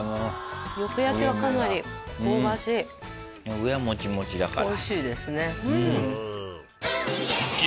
上はもちもちだから。